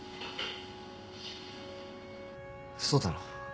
嘘だろ。